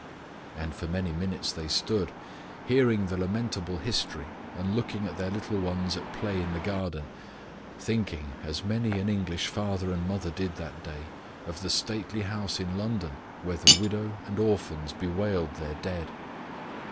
And for many minutes they stood, hearing the lamentable history, and looking at their little ones at play in the garden; thinking, as many an English father and mother did that day, of the stately house in London, where the widow and orphans bewailed their dead.